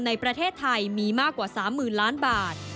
ในประเทศไทยมีมากกว่า๓๐๐๐ล้านบาท